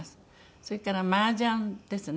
それからマージャンですね。